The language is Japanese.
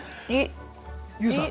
ＹＯＵさん。